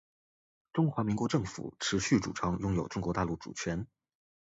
中华民国政府持续主张拥有中国大陆主权